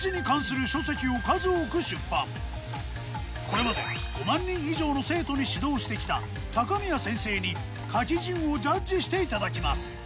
これまで５万人以上の生徒に指導してきた宮先生に書き順をジャッジして頂きます。